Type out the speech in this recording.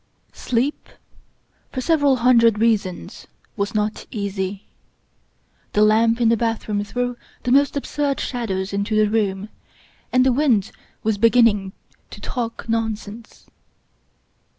Sleep, for several hundred reasons, was not easy. The lamp in the bath room threw the most absurd shadows into the room, and the wind was beginning to talk non sense.